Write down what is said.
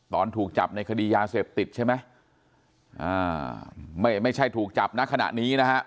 ตอนถูกจับในคดียาเสพติดใช่ไหมอ่าไม่ใช่ถูกจับนะขณะนี้นะฮะ